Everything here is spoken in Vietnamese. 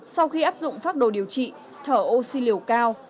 sau khi áp dụng phác đồ điều trị thở oxy liều cao